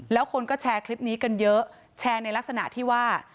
แล้วคนก็แชร์คลิปนี้กันเยอะแชร์ในลักษณะที่ว่า